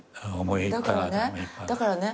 だからね